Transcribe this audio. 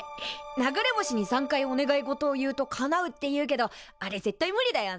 流れ星に３回お願い事を言うとかなうっていうけどあれ絶対無理だよね。